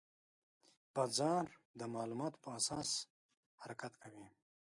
بازار د معلوماتو په اساس حرکت کوي.